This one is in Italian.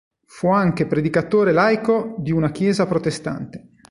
Fu anche predicatore laico di una Chiesa protestante.